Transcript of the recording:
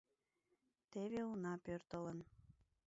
Теве, уна, пӧртылын.